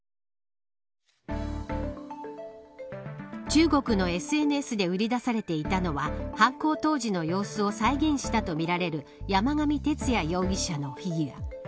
中国のＳＮＳで売り出されていたのは犯行当時の様子を再現したとみられる山上徹也容疑者のフィギュア。